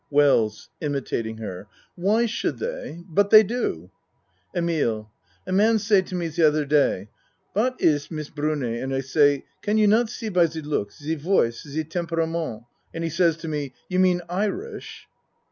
WELLS (Imitating her.) Why should they but they do. EMILE A man say to me ze ozzer day "Wat iss Miss Brune?" and I say "Can you not see by ze look ze voice ze temperament?" And he says to me "You mean Irish?"